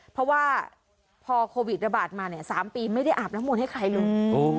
เพราะว่าพอโควิดระบาดมา๓ปีไม่ได้อาบนมลให้ใครลง